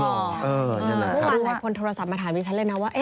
เมื่อวานหลายคนโทรศัพท์มาถามดิฉันเลยนะว่า